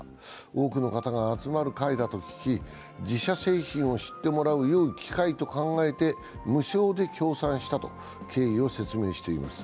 多くの方が集まる会だと聞き、自社製品を知ってもらうよい機会と考えて無償で協賛したと経緯を説明しています。